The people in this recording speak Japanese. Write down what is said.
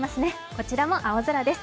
こちらも青空です。